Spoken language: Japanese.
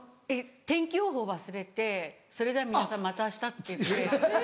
天気予報忘れて「それでは皆さんまた明日」って言って。